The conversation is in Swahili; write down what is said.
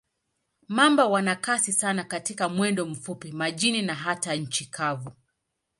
Mamba wana kasi sana katika mwendo mfupi, majini na hata nchi kavu.